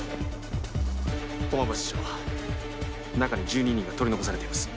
駒場室長中に１２人が取り残されています